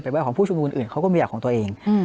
แบบของผู้ชูมูลอื่นเขาก็มีแบบของตัวเอง